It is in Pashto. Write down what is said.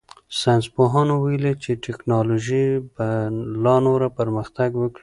ساینس پوهانو ویلي چې تکنالوژي به لا نوره پرمختګ وکړي.